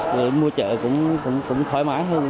rồi mua chợ cũng thoải mái hơn